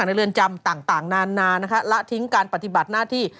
และทิ้งการปฏิบัติหน้าที่